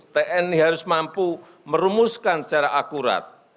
tni harus mampu merumuskan secara akurat